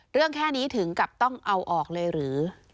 แค่นี้ถึงกับต้องเอาออกเลยหรือ